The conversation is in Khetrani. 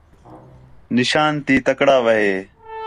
نشان تی تکڑا وہے